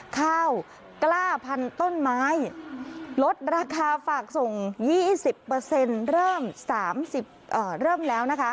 ข้าวกล้าพันธุ์ต้นไม้ลดราคาฝากส่ง๒๐เริ่มแล้วนะคะ